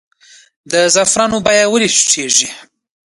د زعفرانو بیه ولې ټیټیږي؟